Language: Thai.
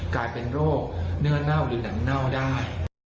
กลายเป็นโรคเนื้อเน่าหรือหนังเน่าได้